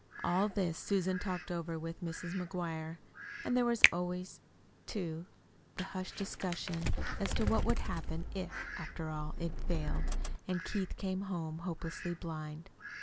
All this Susan talked over with Mrs. McGuire; and there was always, too, the hushed discussion as to what would happen if, after all, it failed, and Keith came home hopelessly blind.